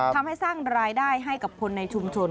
ทำให้สร้างรายได้ให้กับคนในชุมชน